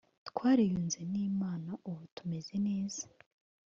twariyunze n imana ubu tumeze neza